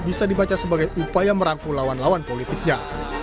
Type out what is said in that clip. bisa dibaca sebagai upaya merangkul lawan lawan politiknya